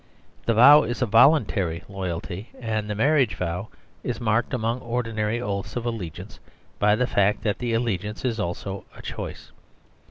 The vow is a voluntary loyalty; and the marriage vow is marked among ordinary oaths of allegiance by the fact that the allegiance is also a choice.